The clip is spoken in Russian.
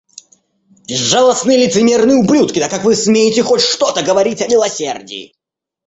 Безжалостные лицемерные ублюдки, да как вы смеете хоть что-то говорить о милосердии!